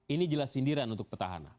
ini jelas sindiran untuk petahana